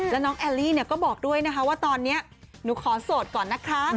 แล้วน้องแอลลี่ก็บอกด้วยนะคะว่าตอนนี้หนูขอโสดก่อนนะคะ